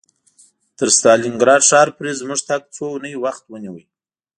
تر ستالینګراډ ښار پورې زموږ تګ څو اونۍ وخت ونیو